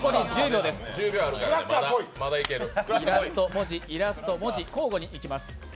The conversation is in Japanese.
イラスト、文字、イラスト、文字、交互にいきます。